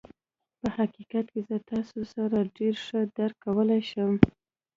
په حقيقت کې زه تاسو ډېر ښه درک کولای شم.